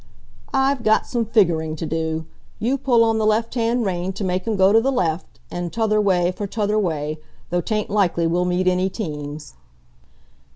"I've got some figgering to do. You pull on the left hand rein to make 'em go to the left and t'other way for t'other way, though 'tain't likely we'll meet any teams."